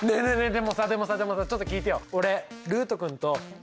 でもさでもさでもさちょっと聞いてよ。